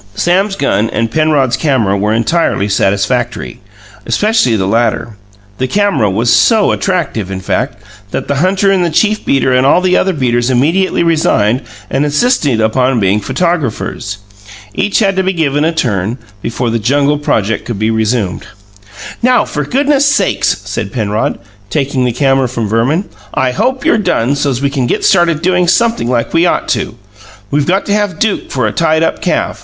Sam's gun and Penrod's camera were entirely satisfactory, especially the latter. The camera was so attractive, in fact, that the hunter and the chief beater and all the other beaters immediately resigned and insisted upon being photographers. Each had to be given a "turn" before the jungle project could be resumed. "Now, for goodnesses' sakes," said Penrod, taking the camera from Verman, "I hope you're done, so's we can get started doin something like we ought to! We got to have Duke for a tied up calf.